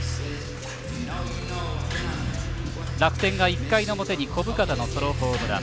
楽天が１回の表に小深田のソロホームラン。